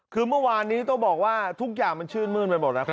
คือเมื่อวานนี้ต้องบอกว่าทุกอย่างมันชื่นมื้นไปหมดแล้วครับ